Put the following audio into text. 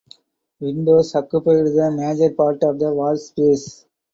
Windows occupied the major part of the wall space.